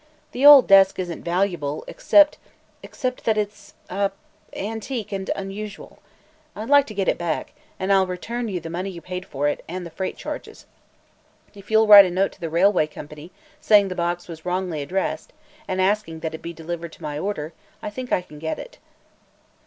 The old desk isn't valuable, except except that it's ah antique and unusual. I'd like to get it back and I'll return to you the money you paid for it, and the freight charges. If you'll write a note to the railway company, saying the box was wrongly addressed and asking that it be delivered to my order, I think I can get it."